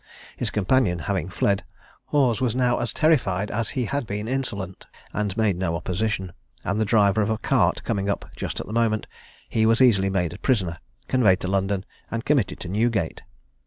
His companion having fled, Hawes was now as terrified as he had been insolent, and made no opposition; and the driver of a cart coming up just at the moment, he was easily made prisoner, conveyed to London, and committed to Newgate.